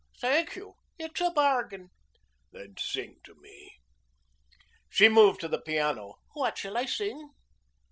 "Thank you. It's a bargain." "Then sing to me." She moved to the piano. "What shall I sing?"